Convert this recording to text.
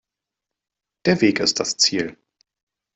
Der Weg ist das Ziel.